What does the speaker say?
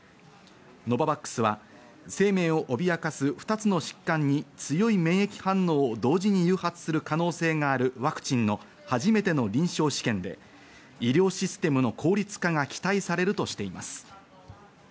ノババックスは生命を脅かす２つの疾患に強い免疫反応を同時に誘発する可能性があるワクチンの初めての臨床試験で、医療システムの効率化が期待されるとしています。